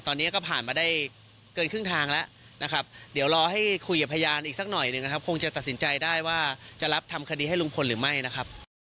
ตอนนี้ก็ผ่านมาได้เกินครึ่งทางแล้วนะครับเดี๋ยวรอให้คุยกับพยานอีกสักหน่อยหนึ่งนะครับคงจะตัดสินใจได้ว่าจะรับทำคดีให้ลุงพลหรือไม่นะครับ